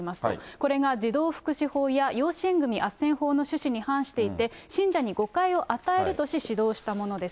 これが児童福祉法や養子縁組あっせん法の趣旨に反していて、信者に誤解を与えるとし、指導したものです。